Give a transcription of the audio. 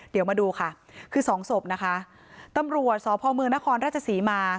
เดี๋ยวมาดูค่ะคือสองศพนะคะตำรวจสพเมืองนครราชศรีมา